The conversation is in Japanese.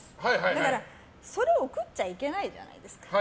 だから、それを怒っちゃいけないじゃないですか。